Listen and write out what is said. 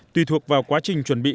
tùy thuộc vào quá trình chuẩn bị